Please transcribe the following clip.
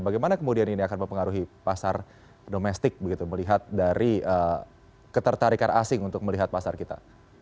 bagaimana kemudian ini akan mempengaruhi pasar domestik begitu melihat dari ketertarikan asing untuk melihat pasar kita